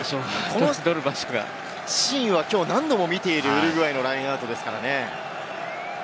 このシーンはきょうは何度も見ているウルグアイのラインアウトですからね。